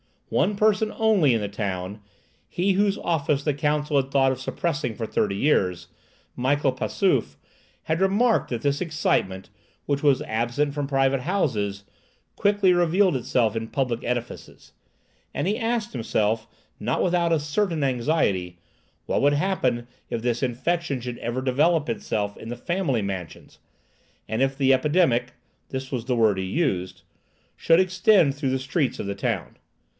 One person only in the town, he whose office the council had thought of suppressing for thirty years, Michael Passauf, had remarked that this excitement, which was absent from private houses, quickly revealed itself in public edifices; and he asked himself, not without a certain anxiety, what would happen if this infection should ever develop itself in the family mansions, and if the epidemic—this was the word he used—should extend through the streets of the town.